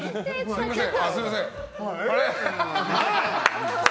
すみません。